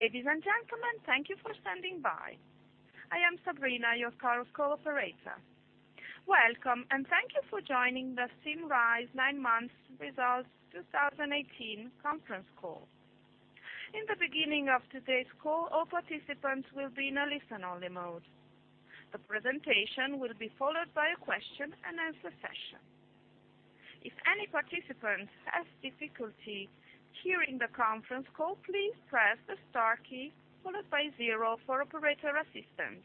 Ladies and gentlemen, thank you for standing by. I am Sabrina, your call's co-operator. Welcome, and thank you for joining the Symrise Nine Months Results 2018 conference call. In the beginning of today's call, all participants will be in a listen-only mode. The presentation will be followed by a question-and-answer session. If any participant has difficulty hearing the conference call, please press the star key followed by zero for operator assistance.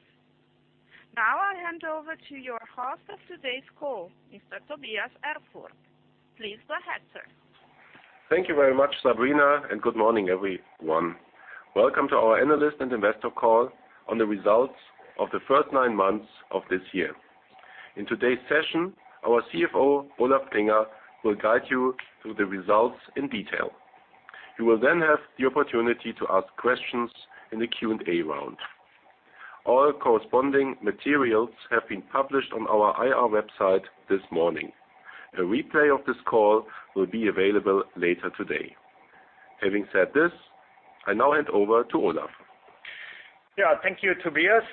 Now I hand over to your host of today's call, Mr. Tobias Erfurth. Please go ahead, sir. Thank you very much, Sabrina, and good morning, everyone. Welcome to our analyst and investor call on the results of the first nine months of this year. In today's session, our CFO, Olaf Klinger, will guide you through the results in detail. You will then have the opportunity to ask questions in the Q&A round. All corresponding materials have been published on our IR website this morning. A replay of this call will be available later today. Having said this, I now hand over to Olaf. Thank you, Tobias.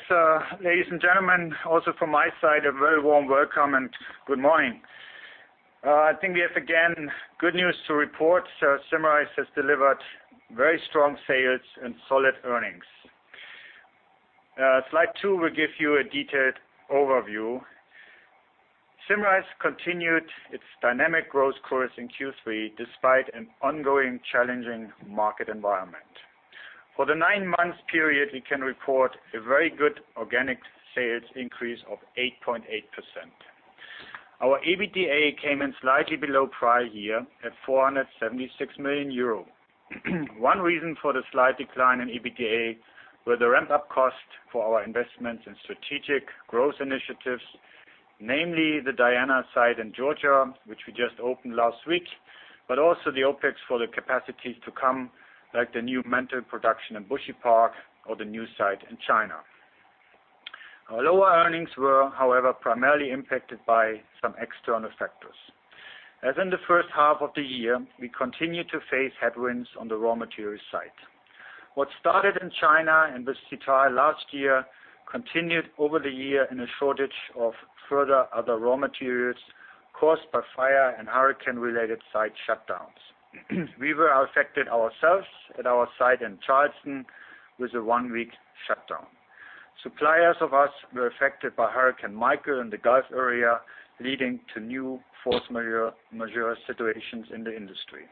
Ladies and gentlemen, also from my side, a very warm welcome and good morning. I think we have again good news to report. Symrise has delivered very strong sales and solid earnings. Slide two will give you a detailed overview. Symrise continued its dynamic growth course in Q3 despite an ongoing challenging market environment. For the nine-month period, we can report a very good organic sales increase of 8.8%. Our EBITDA came in slightly below prior year at 476 million euro. One reason for the slight decline in EBITDA were the ramp-up cost for our investments in strategic growth initiatives, namely the Diana site in Georgia, which we just opened last week, but also the OPEX for the capacity to come, like the new menthol production in Bushy Park or the new site in China. Our lower earnings were, however, primarily impacted by some external factors. As in the first half of the year, we continued to face headwinds on the raw material side. What started in China and with Citral last year continued over the year in a shortage of further other raw materials caused by fire and hurricane-related site shutdowns. We were affected ourselves at our site in Charleston with a one-week shutdown. Suppliers of ours were affected by Hurricane Michael in the Gulf area, leading to new force majeure situations in the industry.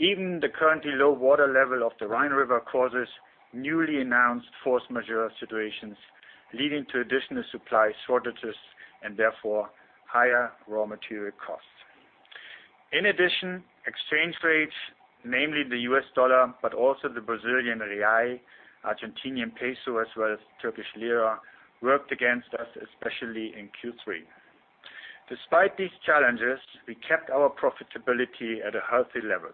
Even the currently low water level of the Rhine River causes newly announced force majeure situations, leading to additional supply shortages and therefore higher raw material costs. In addition, exchange rates, namely the US dollar, but also the Brazilian real, Argentinian peso, as well as Turkish lira, worked against us, especially in Q3. Despite these challenges, we kept our profitability at a healthy level.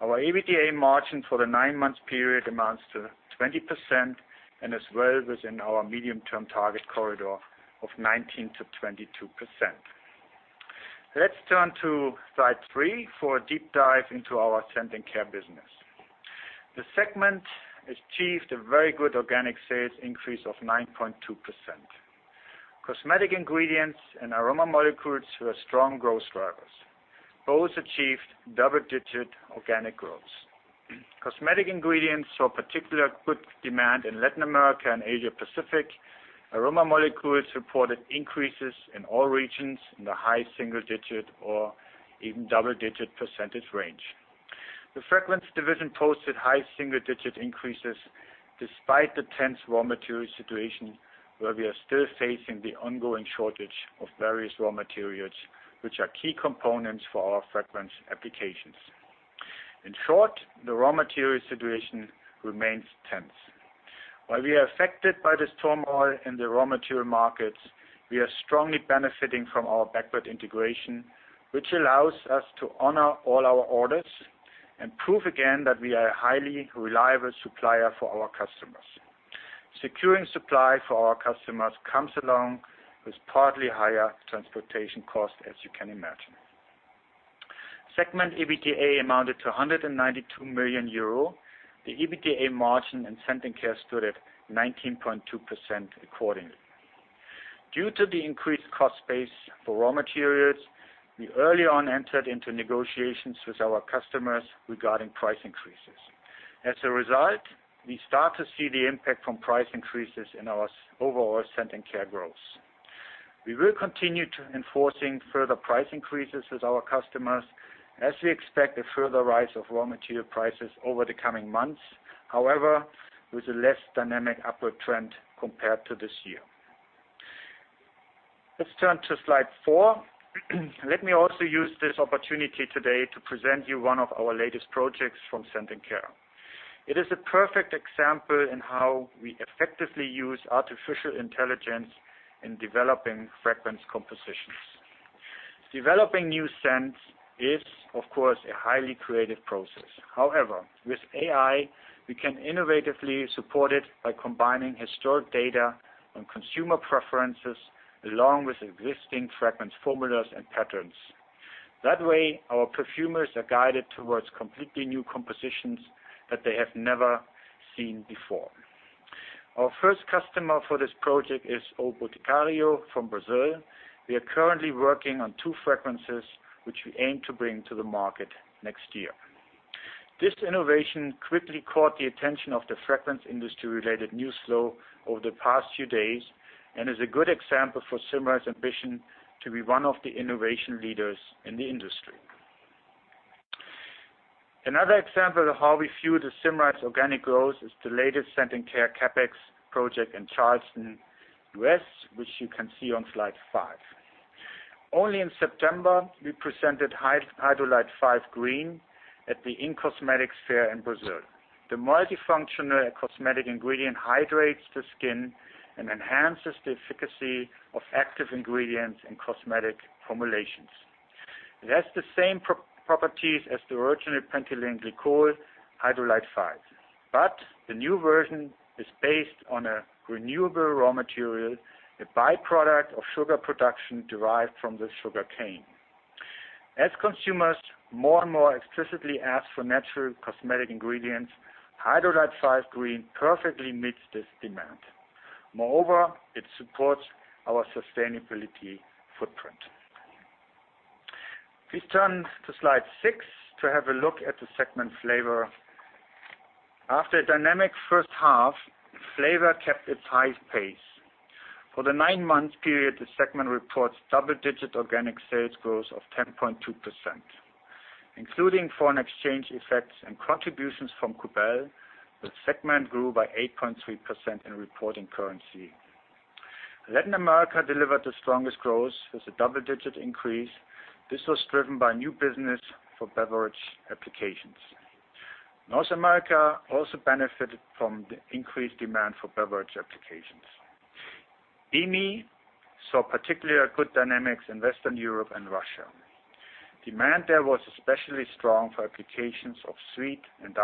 Our EBITDA margin for the nine-month period amounts to 20% and as well within our medium-term target corridor of 19%-22%. Let's turn to slide three for a deep dive into our Scent & Care business. The segment achieved a very good organic sales increase of 9.2%. Cosmetic Ingredients and Aroma Molecules were strong growth drivers. Both achieved double-digit organic growth. Cosmetic Ingredients saw particular good demand in Latin America and Asia Pacific. Aroma Molecules reported increases in all regions in the high single digit or even double-digit percentage range. The fragrance division posted high single-digit increases despite the tense raw material situation, where we are still facing the ongoing shortage of various raw materials, which are key components for our fragrance applications. In short, the raw material situation remains tense. While we are affected by this turmoil in the raw material markets, we are strongly benefiting from our backward integration, which allows us to honor all our orders and prove again that we are a highly reliable supplier for our customers. Securing supply for our customers comes along with partly higher transportation costs, as you can imagine. Segment EBITDA amounted to 192 million euro. The EBITDA margin in Scent & Care stood at 19.2% accordingly. Due to the increased cost base for raw materials, we early on entered into negotiations with our customers regarding price increases. As a result, we start to see the impact from price increases in our overall Scent & Care growth. We will continue to enforcing further price increases with our customers as we expect a further rise of raw material prices over the coming months, however, with a less dynamic upward trend compared to this year. Let's turn to slide four. Let me also use this opportunity today to present you one of our latest projects from Scent & Care. It is a perfect example in how we effectively use artificial intelligence in developing fragrance compositions. Developing new scents is, of course, a highly creative process. However, with AI, we can innovatively support it by combining historic data on consumer preferences along with existing fragrance formulas and patterns. That way, our perfumers are guided towards completely new compositions that they have never seen before. Our first customer for this project is O Boticário from Brazil. We are currently working on two fragrances, which we aim to bring to the market next year. This innovation quickly caught the attention of the fragrance industry related news flow over the past few days, and is a good example for Symrise ambition to be one of the innovation leaders in the industry. Another example of how we fuel the Symrise organic growth is the latest Scent & Care CapEx project in Charleston, U.S., which you can see on slide five. Only in September, we presented Hydrolite 5 green at the in-cosmetics Fair in Brazil. The multifunctional cosmetic ingredient hydrates the skin and enhances the efficacy of active ingredients in cosmetic formulations. It has the same properties as the original pentylene glycol Hydrolite 5. The new version is based on a renewable raw material, a by-product of sugar production derived from the sugar cane. As consumers more and more explicitly ask for natural cosmetic ingredients, Hydrolite 5 green perfectly meets this demand. Moreover, it supports our sustainability footprint. Please turn to slide seven to have a look at the segment flavor. After a dynamic first half, flavor kept its high pace. For the nine-month period, the segment reports double-digit organic sales growth of 10.2%. Including foreign exchange effects and contributions from Cobell, the segment grew by 8.3% in reporting currency. Latin America delivered the strongest growth with a double-digit increase. This was driven by new business for beverage applications. North America also benefited from the increased demand for beverage applications. EMEA saw particularly good dynamics in Western Europe and Russia. Demand there was especially strong for applications of sweet and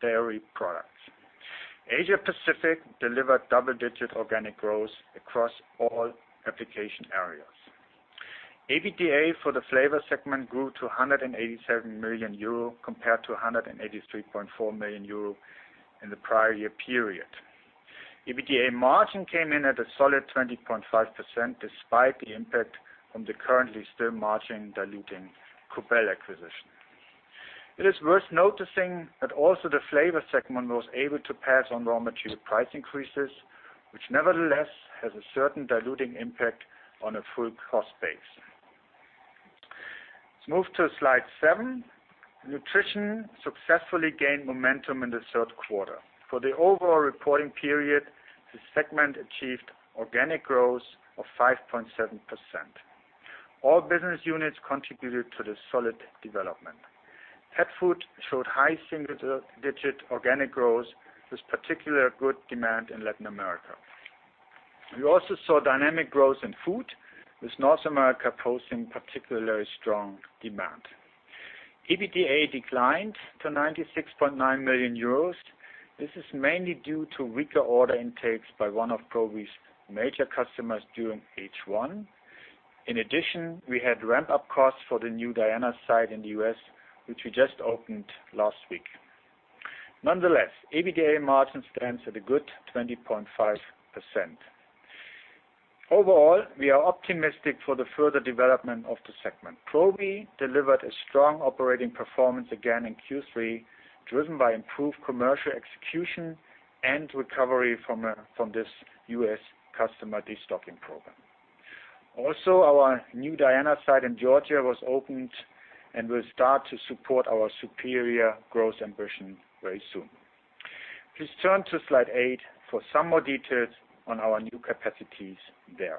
dairy products. Asia-Pacific delivered double-digit organic growth across all application areas. EBITDA for the flavor segment grew to 187 million euro compared to 183.4 million euro in the prior year period. EBITDA margin came in at a solid 20.5% despite the impact from the currently still margin diluting Cobell acquisition. It is worth noticing that also the flavor segment was able to pass on raw material price increases, which nevertheless has a certain diluting impact on a full cost base. Let's move to slide seven. Nutrition successfully gained momentum in the third quarter. For the overall reporting period, the segment achieved organic growth of 5.7%. All business units contributed to the solid development. Pet Food showed high single-digit organic growth, with particular good demand in Latin America. We also saw dynamic growth in Food, with North America posting particularly strong demand. EBITDA declined to 96.9 million euros. This is mainly due to weaker order intakes by one of Probi's major customers during H1. In addition, we had ramp-up costs for the new Diana site in the U.S., which we just opened last week. Nonetheless, EBITDA margin stands at a good 20.5%. Overall, we are optimistic for the further development of the segment. Probi delivered a strong operating performance again in Q3, driven by improved commercial execution and recovery from this U.S. customer de-stocking program. Also, our new Diana site in Georgia was opened and will start to support our superior growth ambition very soon. Please turn to slide eight for some more details on our new capacities there.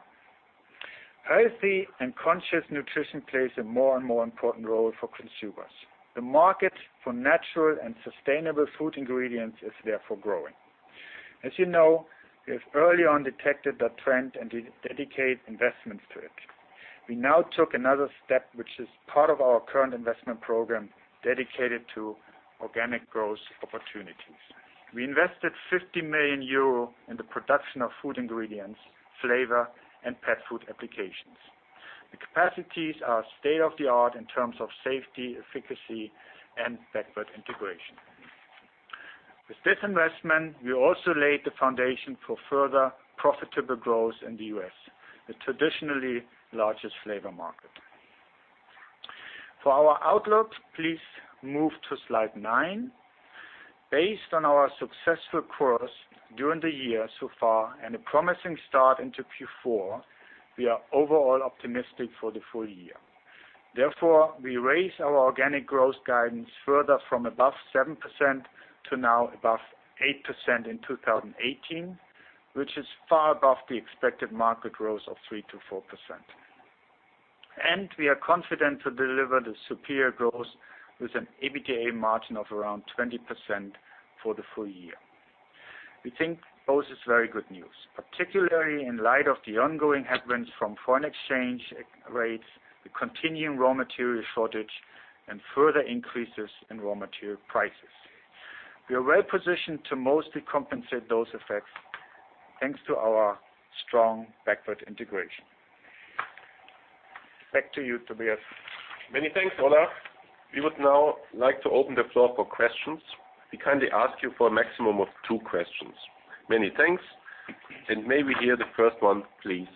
Healthy and conscious nutrition plays a more and more important role for consumers. The market for natural and sustainable Food ingredients is therefore growing. As you know, we have early on detected that trend and dedicate investments to it. We now took another step, which is part of our current investment program dedicated to organic growth opportunities. We invested 50 million euro in the production of Food ingredients, flavor, and Pet Food applications. The capacities are state-of-the-art in terms of safety, efficacy, and backward integration. With this investment, we also laid the foundation for further profitable growth in the U.S., the traditionally largest flavor market. For our outlook, please move to slide nine. Based on our successful course during the year so far and a promising start into Q4, we are overall optimistic for the full year. Therefore, we raise our organic growth guidance further from above 7% to now above 8% in 2018, which is far above the expected market growth of 3%-4%. We are confident to deliver the superior growth with an EBITDA margin of around 20% for the full year. We think both is very good news, particularly in light of the ongoing headwinds from foreign exchange rates, the continuing raw material shortage, and further increases in raw material prices. We are well positioned to mostly compensate those effects thanks to our strong backward integration. Back to you, Tobias. Many thanks, Olaf. We would now like to open the floor for questions. We kindly ask you for a maximum of two questions. Many thanks. May we hear the first one, please.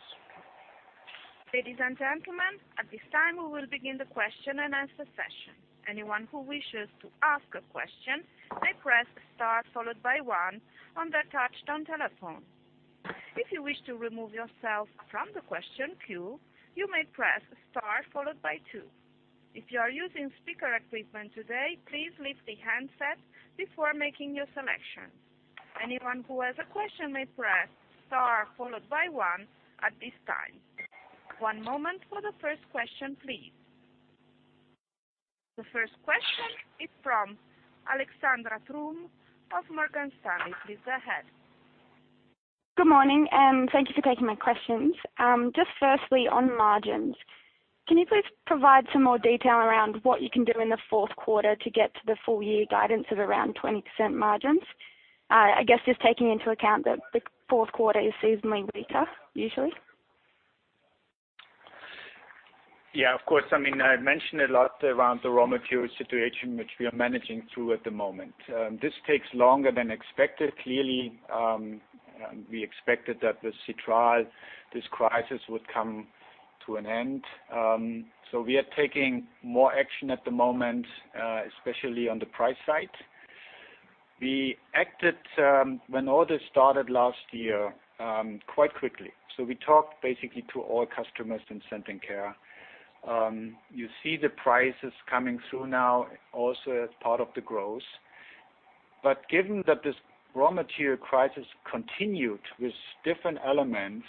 Ladies and gentlemen, at this time, we will begin the question and answer session. Anyone who wishes to ask a question may press star followed by one on their touch-tone telephone. If you wish to remove yourself from the question queue, you may press star followed by two. If you are using speaker equipment today, please lift the handset before making your selection. Anyone who has a question may press star followed by one at this time. One moment for the first question, please. The first question is from Alexandra Trum of Morgan Stanley. Please go ahead. Good morning. Thank you for taking my questions. Just firstly, on margins, can you please provide some more detail around what you can do in the fourth quarter to get to the full year guidance of around 20% margins? I guess just taking into account that the fourth quarter is seasonally weaker usually. Yeah, of course. I mean, I mentioned a lot around the raw material situation, which we are managing through at the moment. This takes longer than expected. Clearly, we expected that with Citral, this crisis would come to an end. We are taking more action at the moment, especially on the price side. We acted when all this started last year quite quickly. We talked basically to all customers in Scent & Care. You see the prices coming through now also as part of the growth. Given that this raw material crisis continued with different elements,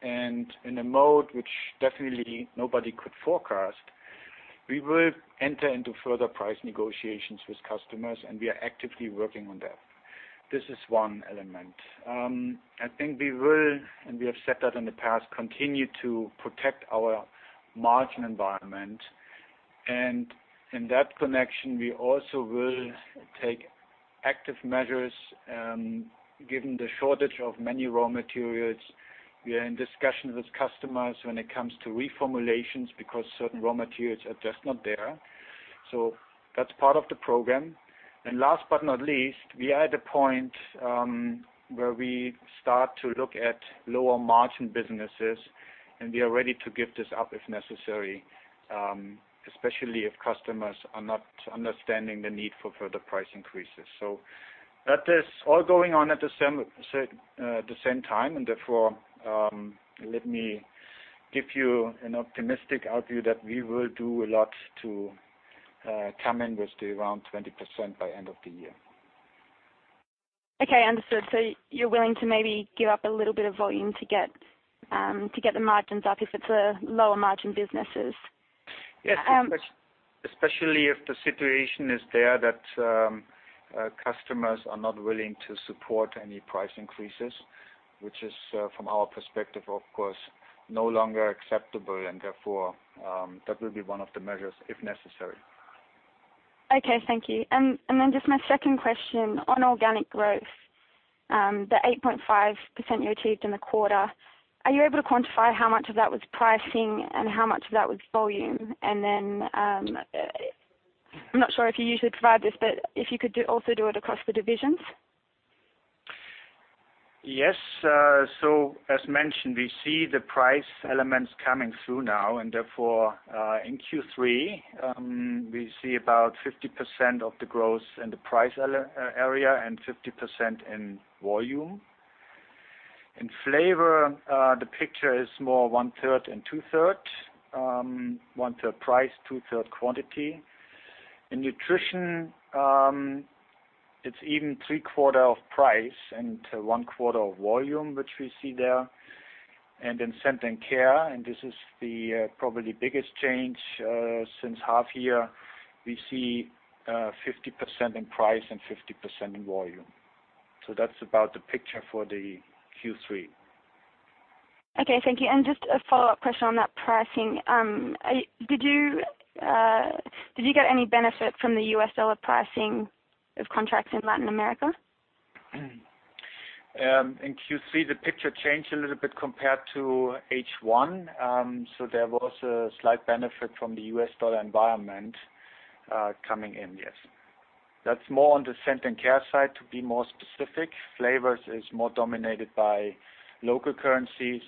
and in a mode which definitely nobody could forecast, we will enter into further price negotiations with customers, and we are actively working on that. This is one element. I think we will, and we have said that in the past, continue to protect our margin environment. In that connection, we also will take active measures given the shortage of many raw materials. We are in discussion with customers when it comes to reformulations because certain raw materials are just not there. That's part of the program. Last but not least, we are at a point where we start to look at lower margin businesses, and we are ready to give this up if necessary, especially if customers are not understanding the need for further price increases. That is all going on at the same time, and therefore, let me give you an optimistic view that we will do a lot to come in with around 20% by end of the year. Okay, understood. You're willing to maybe give up a little bit of volume to get the margins up if it's a lower margin businesses? Yes. Especially if the situation is there that customers are not willing to support any price increases, which is, from our perspective, of course, no longer acceptable. Therefore, that will be one of the measures if necessary. Okay, thank you. Just my second question on organic growth, the 8.5% you achieved in the quarter, are you able to quantify how much of that was pricing and how much of that was volume? I am not sure if you usually provide this, but if you could also do it across the divisions. Yes. As mentioned, we see the price elements coming through now, therefore, in Q3, we see about 50% of the growth in the price area and 50% in volume. In flavor, the picture is more one-third and two-third. One-third price, two-third quantity. In nutrition, it is even three-quarter of price and one-quarter of volume, which we see there. In Scent & Care, this is the probably biggest change since half year, we see 50% in price and 50% in volume. That is about the picture for the Q3. Okay, thank you. Just a follow-up question on that pricing. Did you get any benefit from the US dollar pricing of contracts in Latin America? In Q3, the picture changed a little bit compared to H1. There was a slight benefit from the US dollar environment coming in, yes. That is more on the Scent & Care side, to be more specific. Flavors is more dominated by local currencies.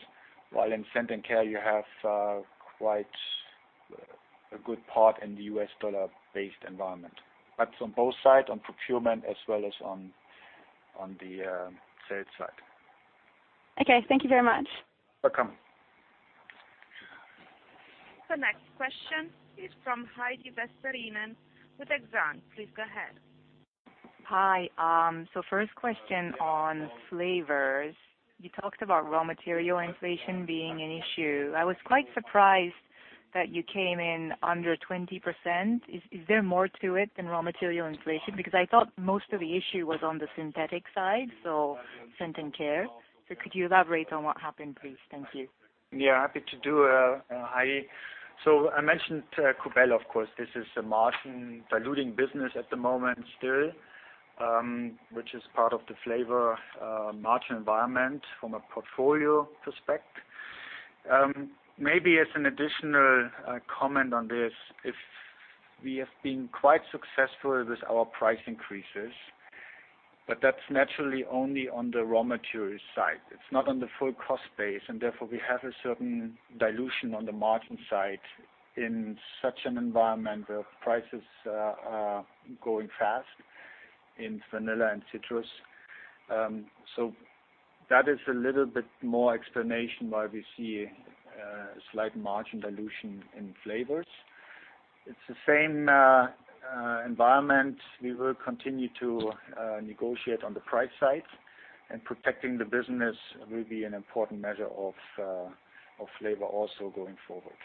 While in Scent & Care, you have quite a good part in the US dollar-based environment. On both sides, on procurement as well as on the sales side. Okay. Thank you very much. Welcome. The next question is from Heidi Vesterinen with Exane. Please go ahead. Hi. First question on flavors. You talked about raw material inflation being an issue. I was quite surprised that you came in under 20%. Is there more to it than raw material inflation? Because I thought most of the issue was on the synthetic side, Scent & Care. Could you elaborate on what happened, please? Thank you. Yeah, happy to do, Heidi. I mentioned Cobell. Of course, this is a margin-diluting business at the moment still, which is part of the flavor margin environment from a portfolio perspective. Maybe as an additional comment on this, if we have been quite successful with our price increases, but that's naturally only on the raw materials side, it's not on the full cost base, and therefore we have a certain dilution on the margin side in such an environment where prices are going fast in vanilla and citrus. That is a little bit more explanation why we see a slight margin dilution in flavors. It's the same environment. We will continue to negotiate on the price side and protecting the business will be an important measure of flavor also going forward.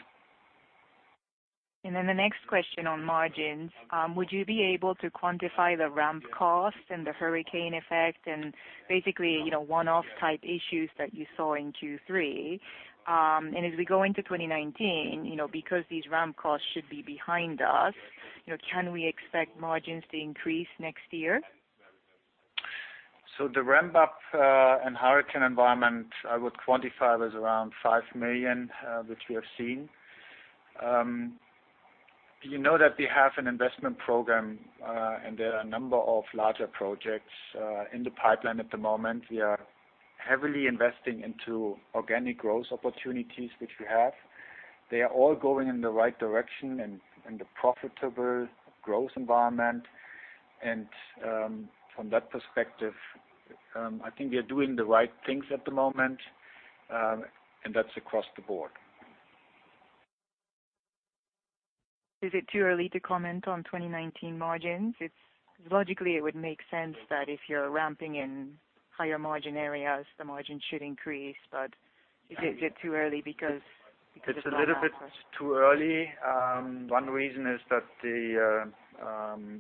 The next question on margins. Would you be able to quantify the ramp cost and the hurricane effect and basically, one-off type issues that you saw in Q3? As we go into 2019, because these ramp costs should be behind us, can we expect margins to increase next year? The ramp-up, and hurricane environment, I would quantify was around 5 million, which we have seen. You know that we have an investment program, and there are a number of larger projects, in the pipeline at the moment. We are heavily investing into organic growth opportunities, which we have. They are all going in the right direction and in the profitable growth environment. From that perspective, I think we are doing the right things at the moment, and that's across the board. Is it too early to comment on 2019 margins? Logically, it would make sense that if you're ramping in higher margin areas, the margin should increase. Is it too early because of ramp-up? It's a little bit too early. One reason is that the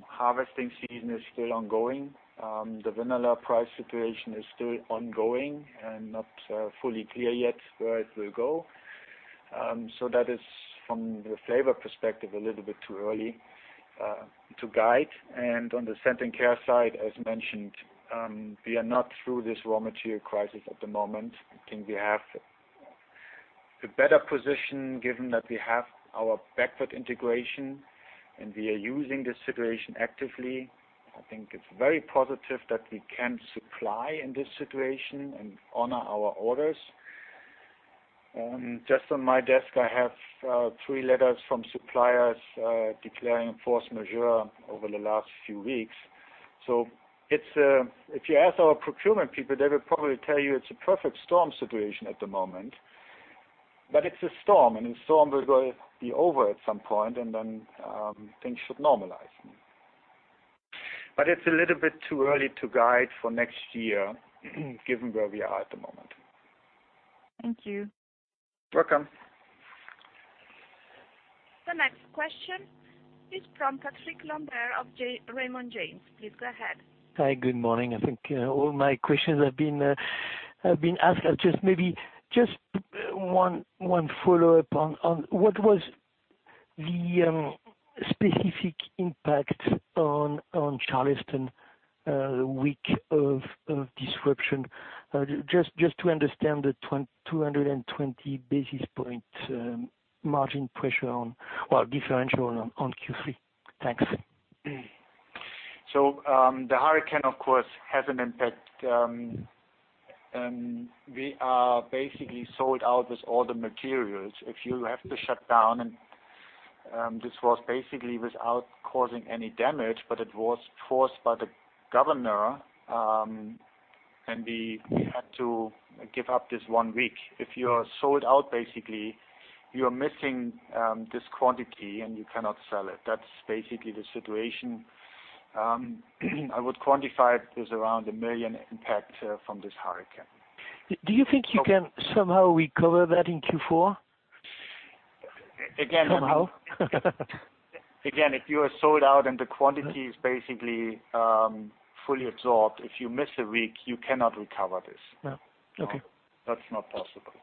harvesting season is still ongoing. The vanilla price situation is still ongoing and not fully clear yet where it will go. That is from the flavor perspective, a little bit too early to guide. On the Scent & Care side, as mentioned, we are not through this raw material crisis at the moment. I think we have a better position given that we have our backward integration, and we are using this situation actively. I think it's very positive that we can supply in this situation and honor our orders. Just on my desk, I have three letters from suppliers declaring force majeure over the last few weeks. If you ask our procurement people, they will probably tell you it's a perfect storm situation at the moment. It's a storm, the storm will be over at some point, things should normalize. It's a little bit too early to guide for next year given where we are at the moment. Thank you. Welcome. The next question is from Patrick Lambert of Raymond James. Please go ahead. Hi, good morning. I think all my questions have been asked. Maybe just one follow-up on what was the specific impact on Charleston, the one week of disruption, just to understand the 220 basis point margin pressure on, well, differential on Q3. Thanks. The hurricane, of course, has an impact. We are basically sold out with all the materials. If you have to shut down, and this was basically without causing any damage, but it was forced by the governor, and we had to give up this one week. If you are sold out, basically, you are missing this quantity, and you cannot sell it. That's basically the situation. I would quantify it as around 1 million impact from this hurricane. Do you think you can somehow recover that in Q4? Again- Somehow? Again, if you are sold out and the quantity is basically fully absorbed, if you miss a week, you cannot recover this. No. Okay. That's not possible.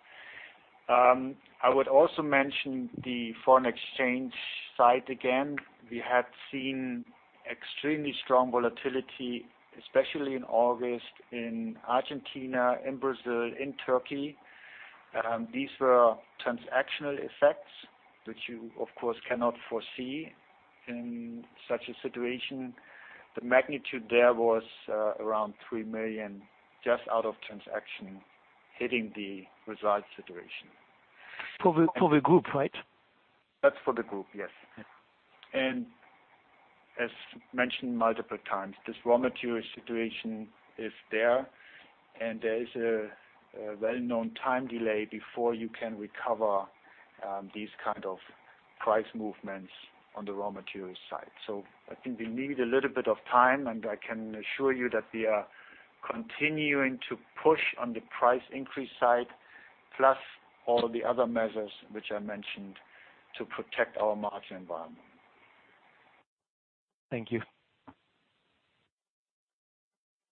I would also mention the foreign exchange side again. We had seen extremely strong volatility, especially in August in Argentina, in Brazil, in Turkey. These were transactional effects that you, of course, cannot foresee in such a situation. The magnitude there was around 3 million just out of transaction hitting the result situation. For the group, right? That's for the group, yes. Okay. As mentioned multiple times, this raw material situation is there, and there is a well-known time delay before you can recover these kinds of price movements on the raw materials side. I think we need a little bit of time, and I can assure you that we are continuing to push on the price increase side, plus all of the other measures which I mentioned to protect our margin environment. Thank you.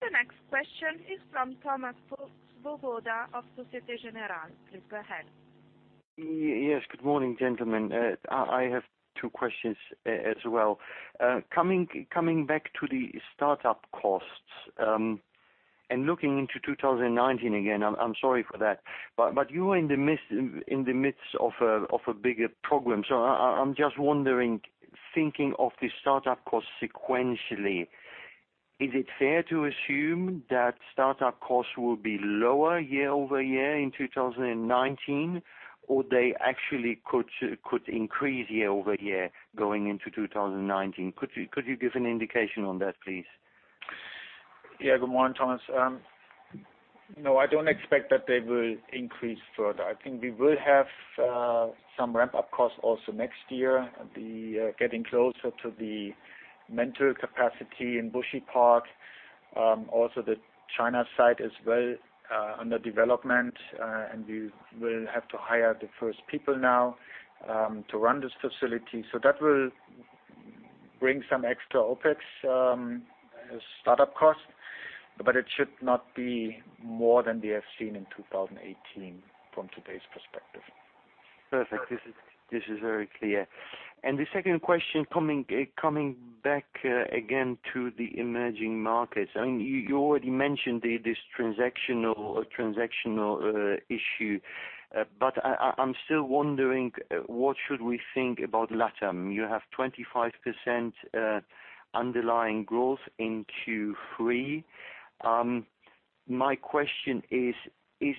The next question is from Thomas Volfova of Société Générale. Please go ahead. Yes. Good morning, gentlemen. I have two questions as well. Coming back to the startup costs, looking into 2019 again, I'm sorry for that, you were in the midst of a bigger problem. I'm just wondering, thinking of the startup cost sequentially, is it fair to assume that startup costs will be lower year-over-year in 2019, or they actually could increase year-over-year going into 2019? Could you give an indication on that, please? Yeah. Good morning, Thomas. No, I don't expect that they will increase further. I think we will have some ramp-up costs also next year. We are getting closer to the menthol capacity in Bushy Park. Also the China site as well under development, we will have to hire the first people now to run this facility. That will bring some extra OpEx startup costs, it should not be more than we have seen in 2018 from today's perspective. Perfect. This is very clear. The second question, coming back again to the emerging markets. You already mentioned this transactional issue. I'm still wondering what should we think about LATAM? You have 25% underlying growth in Q3. My question is: Is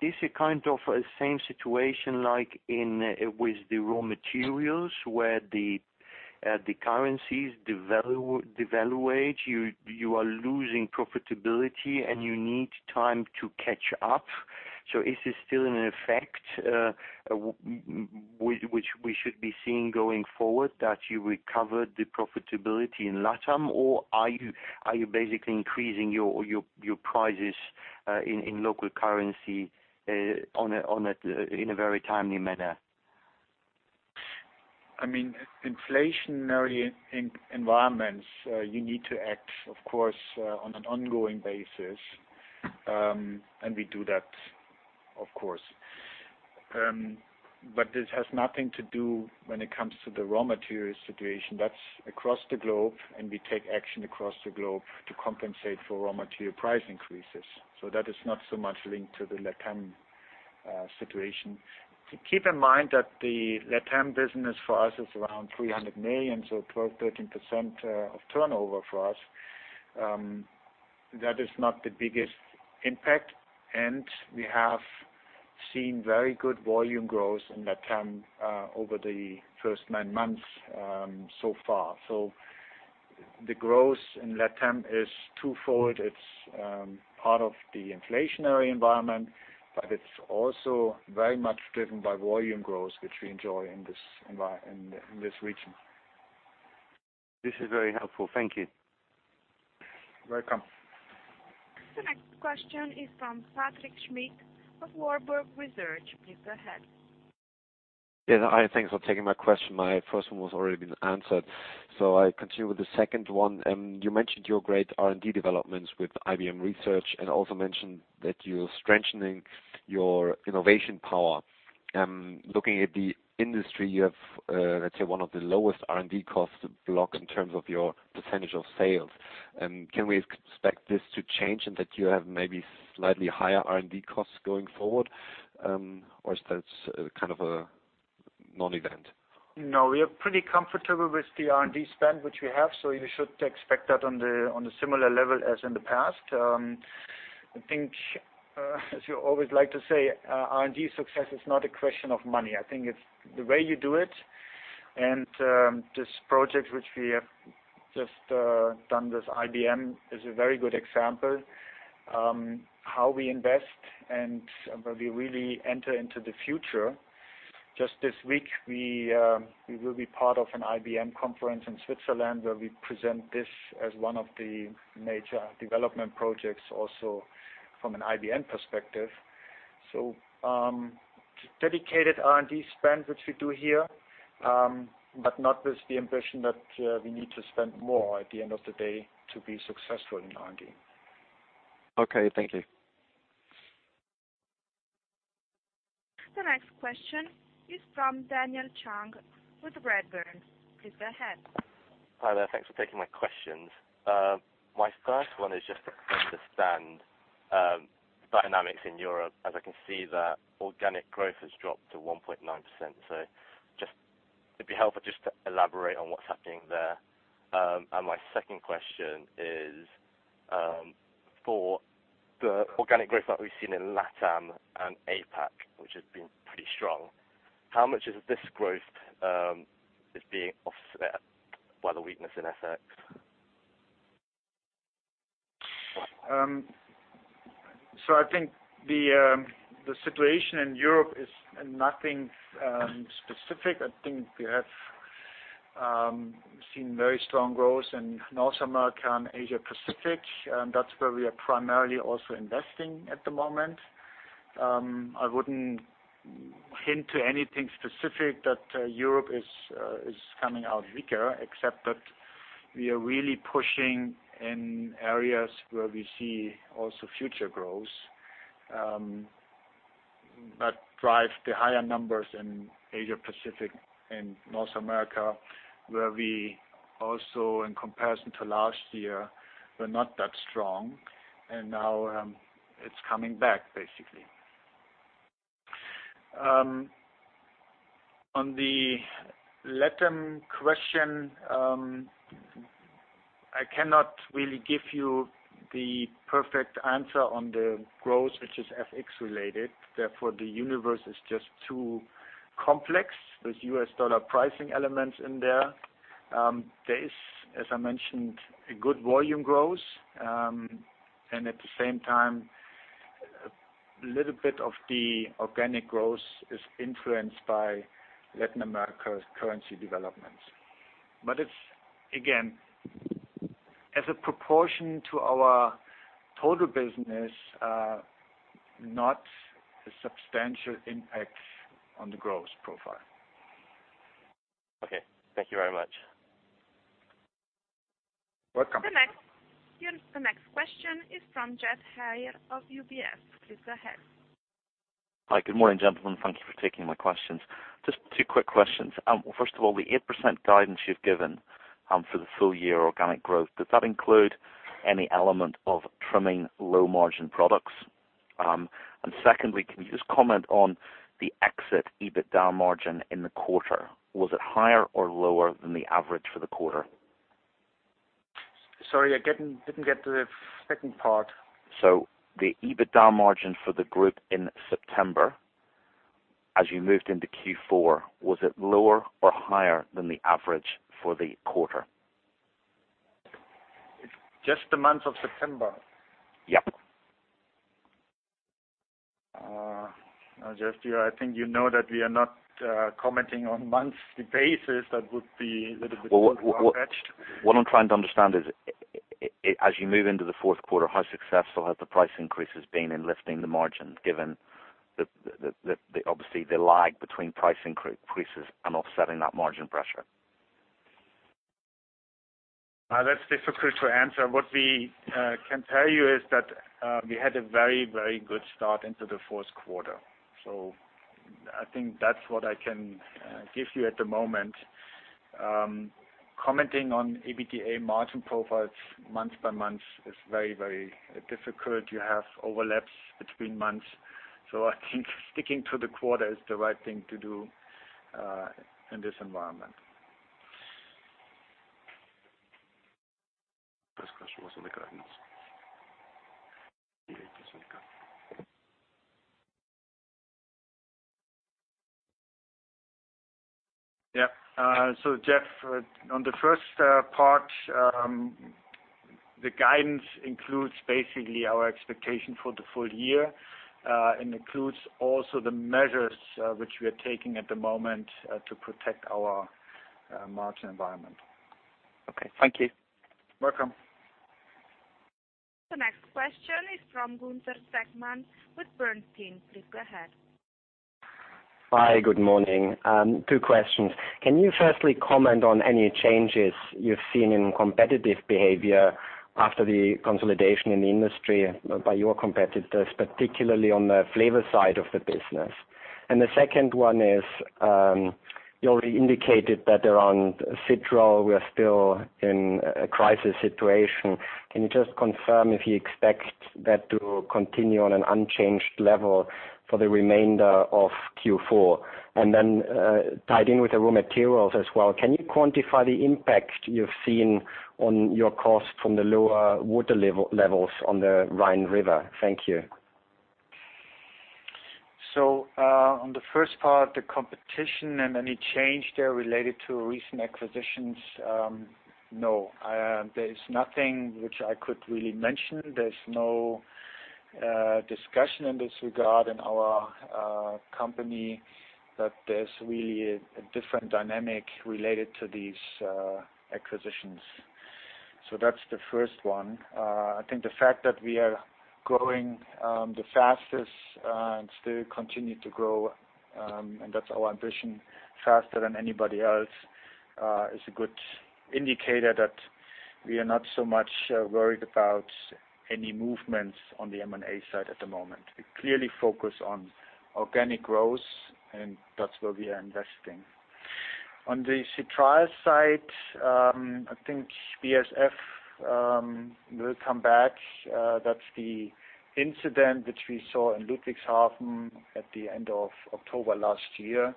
this a kind of a same situation like with the raw materials where the currencies devaluate, you are losing profitability, and you need time to catch up? Is this still in effect, which we should be seeing going forward, that you recovered the profitability in LATAM? Are you basically increasing your prices in local currency in a very timely manner? In inflationary environments, you need to act, of course, on an ongoing basis. We do that, of course. This has nothing to do when it comes to the raw material situation. That's across the globe, and we take action across the globe to compensate for raw material price increases. That is not so much linked to the LATAM situation. Keep in mind that the LATAM business for us is around 300 million, so 12%, 13% of turnover for us. That is not the biggest impact, and we have seen very good volume growth in LATAM over the first nine months so far. The growth in LATAM is twofold. It's part of the inflationary environment, but it's also very much driven by volume growth, which we enjoy in this region. This is very helpful. Thank you. Welcome. The next question is from Patrick Schmidt of Warburg Research. Please go ahead. Hi, thanks for taking my question. My first one was already been answered. I continue with the second one. You mentioned your great R&D developments with IBM Research and also mentioned that you're strengthening your innovation power. Looking at the industry, you have, let's say, one of the lowest R&D costs to block in terms of your percentage of sales. Can we expect this to change and that you have maybe slightly higher R&D costs going forward? Or is that kind of a non-event? We are pretty comfortable with the R&D spend which we have. You should expect that on a similar level as in the past. I think, as you always like to say, R&D success is not a question of money. I think it's the way you do it. This project which we have just done with IBM is a very good example of how we invest and where we really enter into the future. Just this week, we will be part of an IBM conference in Switzerland where we present this as one of the major development projects also from an IBM perspective. Dedicated R&D spend, which we do here, but not with the ambition that we need to spend more at the end of the day to be successful in R&D. Thank you. The next question is from Daniel Chung with Redburn. Please go ahead. Hi there. Thanks for taking my questions. My first one is just to understand dynamics in Europe, as I can see that organic growth has dropped to 1.9%. It'd be helpful just to elaborate on what's happening there. My second question is for the organic growth that we've seen in LATAM and APAC, which has been pretty strong, how much of this growth is being offset by the weakness in FX? I think the situation in Europe is nothing specific. I think we have seen very strong growth in North America and Asia Pacific. That's where we are primarily also investing at the moment. I wouldn't hint to anything specific that Europe is coming out weaker, except that we are really pushing in areas where we see also future growth. That drive the higher numbers in Asia-Pacific and North America, where we also, in comparison to last year, were not that strong, and now it's coming back basically. On the Latin question, I cannot really give you the perfect answer on the growth, which is FX related. The universe is just too complex with US dollar pricing elements in there. There is, as I mentioned, a good volume growth. At the same time, a little bit of the organic growth is influenced by Latin America currency developments. It's, again, as a proportion to our total business, not a substantial impact on the growth profile. Okay. Thank you very much. Welcome. The next question is from Geoff Haire of UBS. Please go ahead. Hi. Good morning, gentlemen. Thank you for taking my questions. Just two quick questions. First of all, the 8% guidance you've given for the full-year organic growth, does that include any element of trimming low-margin products? Secondly, can you just comment on the exit EBITDA margin in the quarter? Was it higher or lower than the average for the quarter? Sorry, I didn't get to the second part. The EBITDA margin for the group in September, as you moved into Q4, was it lower or higher than the average for the quarter? Just the month of September? Yep. Geoff, I think you know that we are not commenting on monthly basis. That would be a little bit far-fetched. What I'm trying to understand is, as you move into the fourth quarter, how successful has the price increases been in lifting the margin, given obviously the lag between price increases and offsetting that margin pressure? That's difficult to answer. What we can tell you is that we had a very good start into the fourth quarter. I think that's what I can give you at the moment. Commenting on EBITDA margin profiles month by month is very difficult. You have overlaps between months. I think sticking to the quarter is the right thing to do in this environment. First question was on the guidance. Yeah. Geoff, on the first part, the guidance includes basically our expectation for the full year, and includes also the measures which we are taking at the moment to protect our margin environment. Okay. Thank you. Welcome. The next question is from Gunther Zechmann with Bernstein. Please go ahead. Hi. Good morning. Two questions. Can you firstly comment on any changes you've seen in competitive behavior after the consolidation in the industry by your competitors, particularly on the flavor side of the business? The second one is, you already indicated that around Citral, we are still in a crisis situation. Can you just confirm if you expect that to continue on an unchanged level for the remainder of Q4? Tied in with the raw materials as well, can you quantify the impact you've seen on your cost from the lower water levels on the Rhine River? Thank you. On the first part, the competition and any change there related to recent acquisitions, no. There is nothing which I could really mention. There's no discussion in this regard in our company that there's really a different dynamic related to these acquisitions. That's the first one. I think the fact that we are growing the fastest and still continue to grow, and that's our ambition, faster than anybody else, is a good indicator that we are not so much worried about any movements on the M&A side at the moment. We clearly focus on organic growth, and that's where we are investing. On the Citral side, I think BASF will come back. That's the incident which we saw in Ludwigshafen at the end of October last year.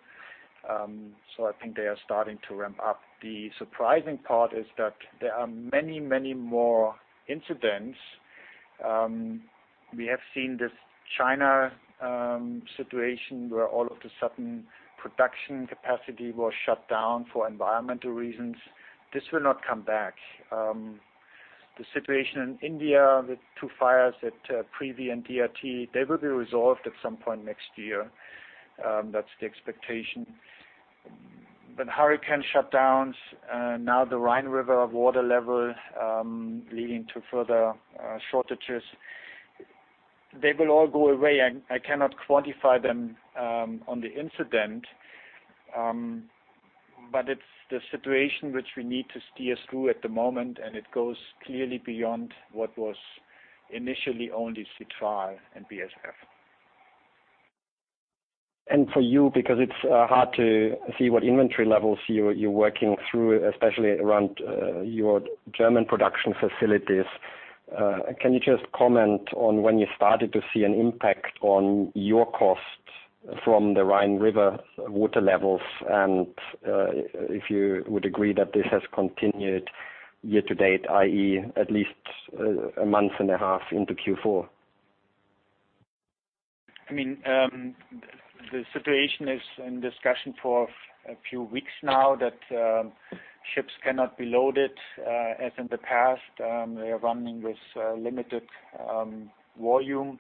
I think they are starting to ramp up. The surprising part is that there are many more incidents. We have seen this China situation where all of a sudden production capacity was shut down for environmental reasons. This will not come back. The situation in India with two fires at Privi and DRT, they will be resolved at some point next year. That's the expectation. Hurricane shutdowns, now the Rhine River water level leading to further shortages, they will all go away. I cannot quantify them on the incident, but it's the situation which we need to steer through at the moment, and it goes clearly beyond what was initially only Citral and BASF. For you, because it's hard to see what inventory levels you're working through, especially around your German production facilities, can you just comment on when you started to see an impact on your costs from the Rhine River water levels and if you would agree that this has continued year-to-date, i.e., at least a month and a half into Q4? The situation is in discussion for a few weeks now that ships cannot be loaded as in the past. They are running with limited volume.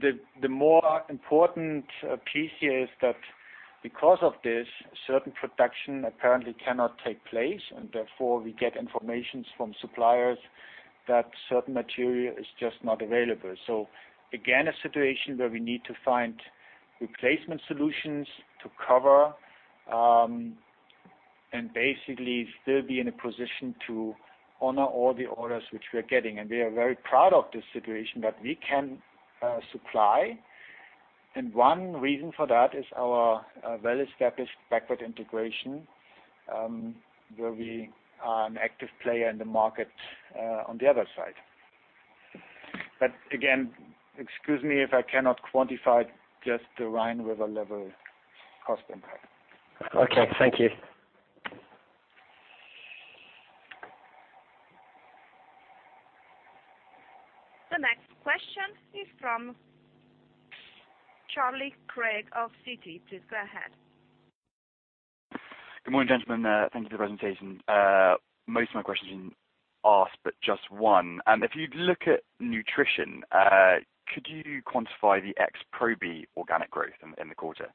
The more important piece here is that because of this, certain production apparently cannot take place, and therefore we get information from suppliers that certain material is just not available. Again, a situation where we need to find replacement solutions to cover, and basically still be in a position to honor all the orders which we are getting. We are very proud of this situation that we can supply. One reason for that is our well-established backward integration, where we are an active player in the market on the other side. Again, excuse me if I cannot quantify just the Rhine River level cost impact. Okay. Thank you. The next question is from Charlie Craig of Citi. Please go ahead. Good morning, gentlemen. Thanks for the presentation. Most of my questions have been asked, but just one. If you look at nutrition, could you quantify the ex Probi organic growth in the quarter?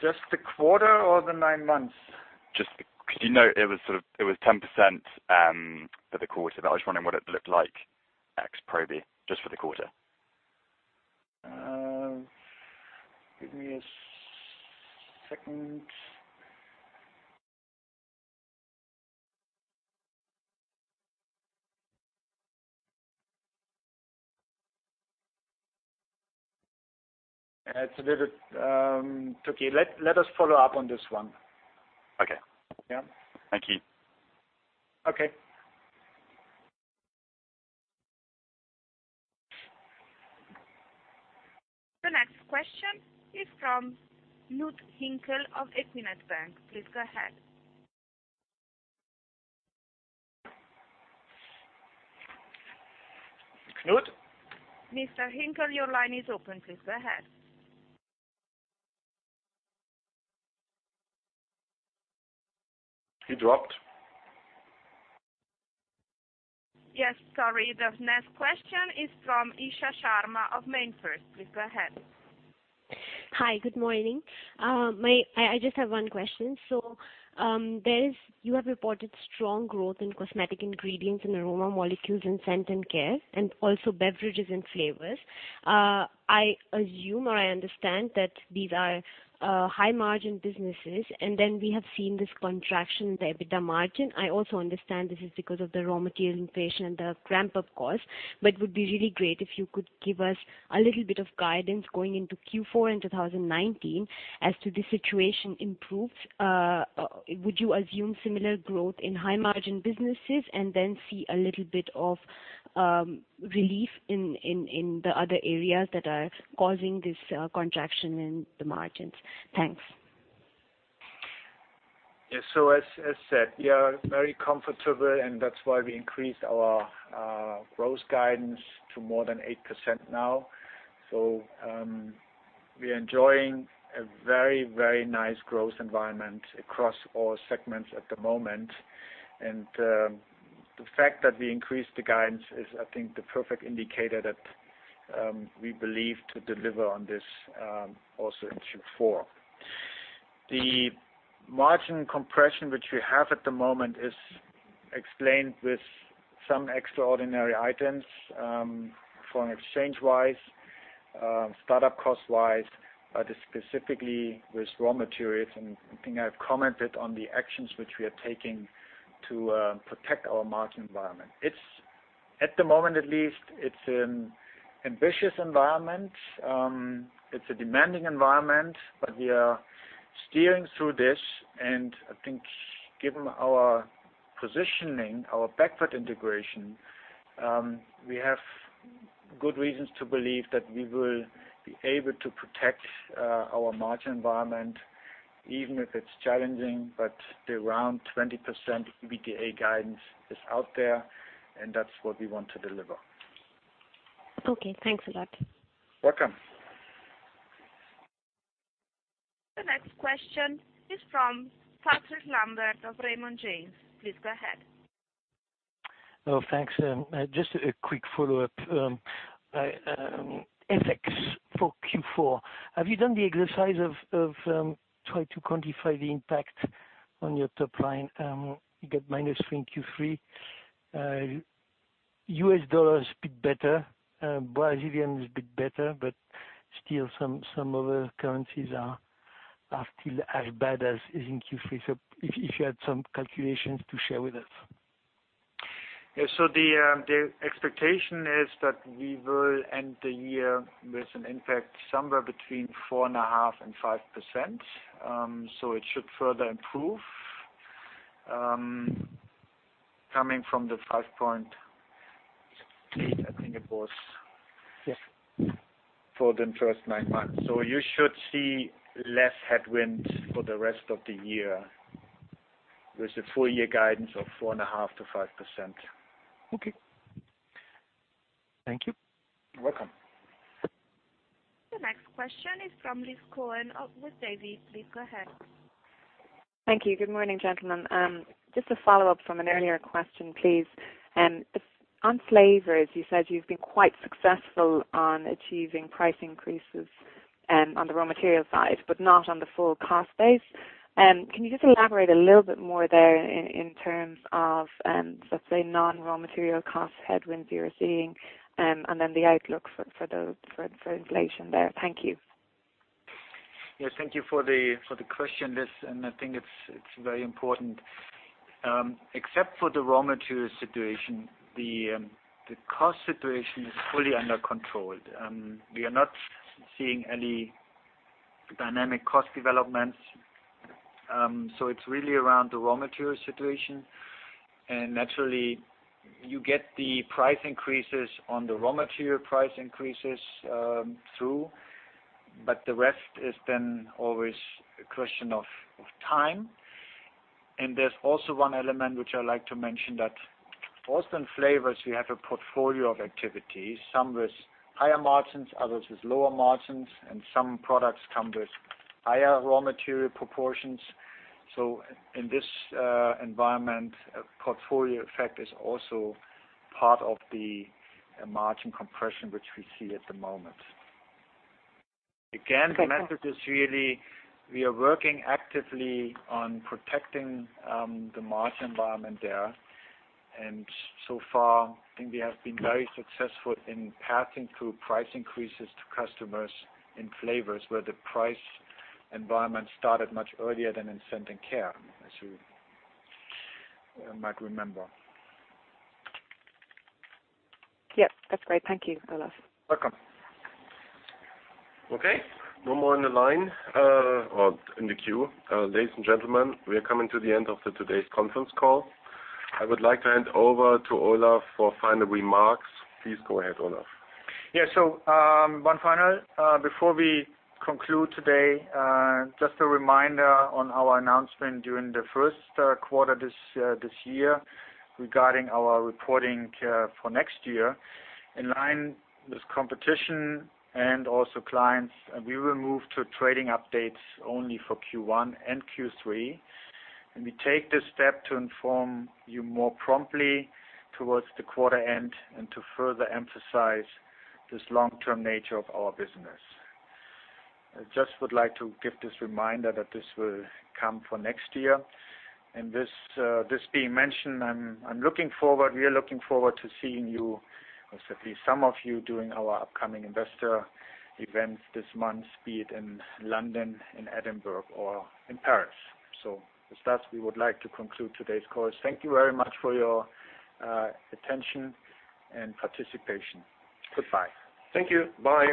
Just the quarter or the nine months? You know it was 10% for the quarter. I was just wondering what it looked like ex Probi, just for the quarter. Give me a second. It's a little tricky. Let us follow up on this one. Okay. Yeah. Thank you. Okay. The next question is from Knut Hinkel of equinet Bank. Please go ahead. Knut? Mr. Hinkel, your line is open. Please go ahead. He dropped. Yes. Sorry. The next question is from Isha Sharma of MainFirst. Please go ahead. Hi. Good morning. I just have one question. You have reported strong growth in Cosmetic Ingredients and Aroma Molecules and Scent & Care and also beverages and flavors. I assume or I understand that these are high margin businesses, and then we have seen this contraction in the EBITDA margin. I also understand this is because of the raw material inflation and the ramp-up cost, but it would be really great if you could give us a little bit of guidance going into Q4 in 2019 as to the situation improved. Would you assume similar growth in high margin businesses and then see a little bit of relief in the other areas that are causing this contraction in the margins? Thanks. Yes. As said, we are very comfortable and that's why we increased our growth guidance to more than 8% now. We are enjoying a very, very nice growth environment across all segments at the moment. The fact that we increased the guidance is, I think, the perfect indicator that we believe to deliver on this also in Q4. The margin compression which we have at the moment is explained with some extraordinary items, foreign exchange-wise, startup cost-wise, but specifically with raw materials. I think I've commented on the actions which we are taking to protect our margin environment. At the moment at least, it's an ambitious environment. It's a demanding environment, but we are steering through this and I think given our positioning, our backward integration, we have good reasons to believe that we will be able to protect our margin environment, even if it's challenging. The around 20% EBITDA guidance is out there, and that's what we want to deliver. Okay. Thanks a lot. Welcome. The next question is from Patrick Lambert of Raymond James. Please go ahead. Oh, thanks. Just a quick follow-up. FX for Q4, have you done the exercise of trying to quantify the impact on your top line? You get -3% in Q3. U.S. dollar is a bit better, Brazilian real is a bit better, but still some other currencies are still as bad as in Q3. If you had some calculations to share with us. Yeah. The expectation is that we will end the year with an impact somewhere between 4.5%-5%. It should further improve, coming from the 5.8%, I think it was. Yes That was for the first nine months. You should see less headwind for the rest of the year, with a full year guidance of 4.5%-5%. Okay. Thank you. You're welcome. The next question is from Liz Cohen of Wedbush Davies. Please go ahead. Thank you. Good morning, gentlemen. Just a follow-up from an earlier question, please. On flavors, you said you've been quite successful on achieving price increases on the raw material side, but not on the full cost base. Can you just elaborate a little bit more there in terms of, let's say, non-raw material cost headwinds you're seeing, and then the outlook for inflation there? Thank you. Yes. Thank you for the question, Liz. I think it's very important. Except for the raw material situation, the cost situation is fully under control. We are not seeing any dynamic cost developments. It's really around the raw material situation. Naturally, you get the price increases on the raw material price increases through, but the rest is then always a question of time. There's also one element which I like to mention that also in flavors, we have a portfolio of activities, some with higher margins, others with lower margins, and some products come with higher raw material proportions. In this environment, a portfolio effect is also part of the margin compression, which we see at the moment. Again, the message is really we are working actively on protecting the margin environment there, and so far, I think we have been very successful in passing through price increases to customers in flavors where the price environment started much earlier than in Scent & Care, as you might remember. Yep. That's great. Thank you, Olaf. Welcome. Okay. No more in the line or in the queue. Ladies and gentlemen, we are coming to the end of today's conference call. I would like to hand over to Olaf for final remarks. Please go ahead, Olaf. Yeah. One final, before we conclude today, just a reminder on our announcement during the first quarter this year regarding our reporting calendar for next year. In line with competition and also clients, we will move to trading updates only for Q1 and Q3. We take this step to inform you more promptly towards the quarter end and to further emphasize this long-term nature of our business. I just would like to give this reminder that this will come for next year. This being mentioned, I am looking forward, we are looking forward to seeing you, or certainly some of you, during our upcoming investor events this month, be it in London, in Edinburgh or in Paris. With that, we would like to conclude today's call. Thank you very much for your attention and participation. Goodbye. Thank you. Bye